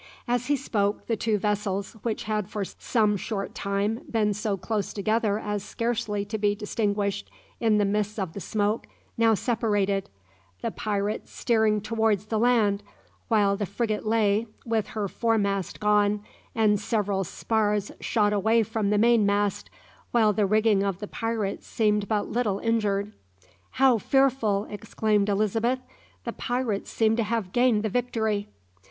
As he spoke, the two vessels, which had for some short time been so close together as scarcely to be distinguished in the midst of the smoke, now separated, the pirate steering towards the land, while the frigate lay, with her fore mast gone, and several spars shot away from the main mast, while the rigging of the pirate seemed but little injured. "How fearful!" exclaimed Elizabeth. "The pirates seem to have gained the victory."